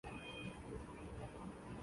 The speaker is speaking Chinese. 孰大孰小其实是个开放问题。